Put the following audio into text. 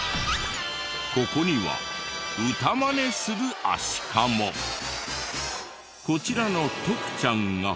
ここにはこちらのトクちゃんが。